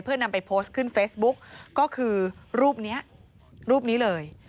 เพื่อนำไปโพสต์ขึ้นเฟซบุ๊กก็คือรูปนี้รูปนี้เลย